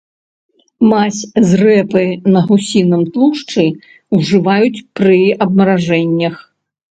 Мазь з рэпы на гусіным тлушчы ўжываюць пры абмаражэннях.